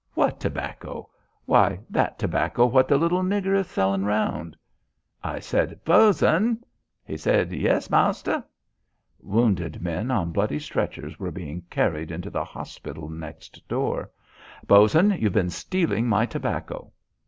"What tobacco?" "Why, that tobacco what the little nigger is sellin' round." I said, "Bos'n!" He said, "Yes, mawstah." Wounded men on bloody stretchers were being carried into the hospital next door. "Bos'n, you've been stealing my tobacco."